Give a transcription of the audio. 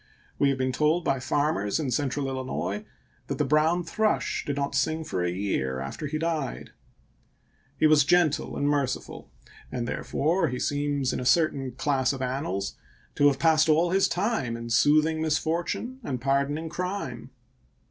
We have been told by farmers in Central Illinois that the brown thrush did not sing for a year after he died. He was gen tle and merciful, and therefore he seems in a cer LINCOLN'S FAME 347 tain class of annals to have passed all his time in ch. xvm. soothing misfortune and pardoning crime.